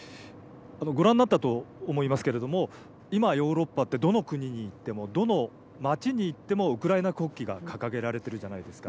ご覧になったと思いますけれども今ヨーロッパってどの国に行ってもどの町に行ってもウクライナ国旗が掲げられているじゃないですか。